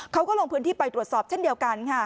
เขาก็ลงพื้นที่ไปตรวจสอบเช่นเดียวกันค่ะ